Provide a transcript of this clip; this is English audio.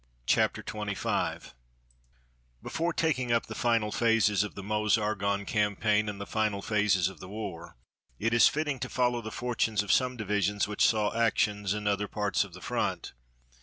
CHAPTER XXV CEASE FIRING Before taking up the final phases of the Meuse Argonne campaign, and the final phases of the war, it is fitting to follow the fortunes of some divisions which saw action in other parts of the front.